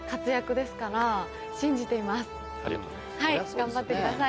頑張ってください。